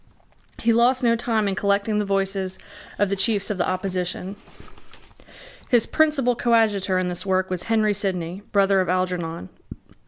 He lost no time in collecting the voices of the chiefs of the opposition. His principal coadjutor in this work was Henry Sidney, brother of Algernon.